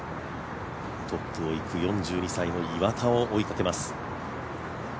トップを行く４２歳の岩田を追いかけます。